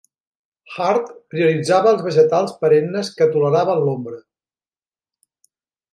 Hart prioritzava els vegetals perennes que toleraven l'ombra.